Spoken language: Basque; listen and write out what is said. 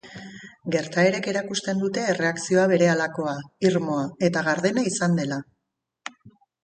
Gertaerek erakusten dute erreakzioa berehalakoa, irmoa eta gardena izan dela.